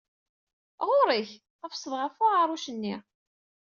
Ɣur-ek! tafseḍ ɣef uɛaṛus-nni.